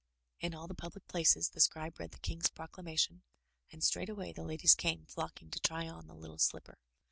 In all the public places the Scribe read the King's proclamation, and straightway the ladies came flocking to try on the little slipper.